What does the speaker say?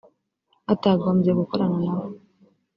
batagombye gukorana na bo